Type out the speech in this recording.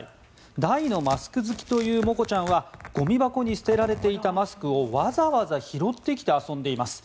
大のマスク好きというモコちゃんはごみ箱に捨てられていたマスクをわざわざ拾ってきて遊んでいます。